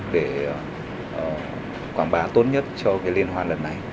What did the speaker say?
để quảng bá tốt nhất cho cái liên hoan truyền hình phát thanh công an nhân dân